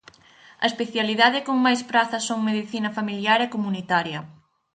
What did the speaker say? A especialidade con máis prazas son Medicina Familiar e Comunitaria.